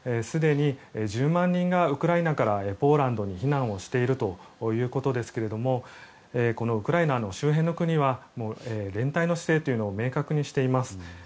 すでに１０万人がウクライナからポーランドに避難しているということですがこのウクライナの周辺国は連帯の姿勢を明確にしています。